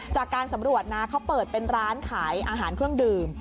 จากการสำรวจนะเขาเปิดเป็นร้านขายอาหารเครื่องดื่ม